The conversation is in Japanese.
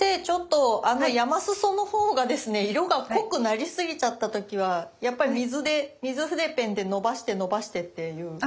ちょっと山裾の方がですね色が濃くなりすぎちゃった時はやっぱり水で水筆ペンでのばしてのばしてっていう？